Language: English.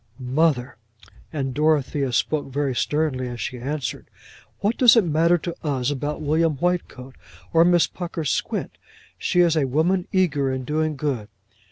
"Mother!" and Dorothea spoke very sternly as she answered "what does it matter to us about William Whitecoat, or Miss Pucker's squint? She is a woman eager in doing good."